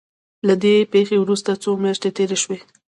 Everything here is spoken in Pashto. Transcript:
له دې پېښې وروسته څو مياشتې تېرې شوې.